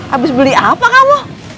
abis beli apa kamu